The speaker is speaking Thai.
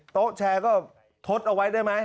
โต๊ะแชร์ก็ทดเอาไว้ได้ไหม